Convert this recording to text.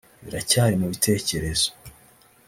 biracyari mu bitekerezo